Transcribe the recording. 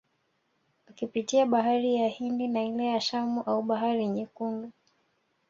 Wakipitia bahari ya Hindi na ile ya Shamu au bahari Nyekundu